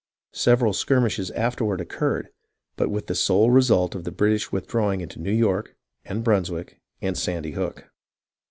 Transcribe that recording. Several skirmishes afterward oc curred, but with the sole result of the British withdraw ing into New York, and Brunswick and Sandy Hook.